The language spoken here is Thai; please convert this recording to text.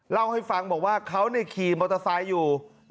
เล่าให้ฟังบอกว่าเขาขี่มอเตอร์ไซค์อยู่